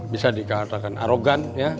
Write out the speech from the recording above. bisa dikatakan arogan